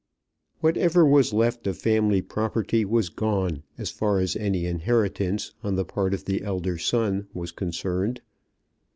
Whatever was left of family property was gone as far as any inheritance on the part of the elder son was concerned.